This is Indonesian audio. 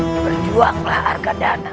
berjuanglah arga dana